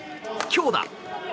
強打！